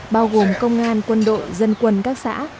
bao gồm công an quân đội dân quân các xã